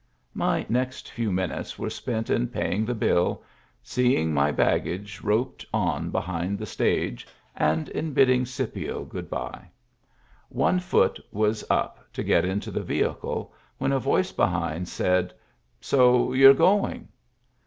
My next few minutes were spent in paying the bill, seeing my baggage roped on behind the stage, and in bidding Scipio good by. One foot was up to get into the vehicle when a voice behind said, " So you're going."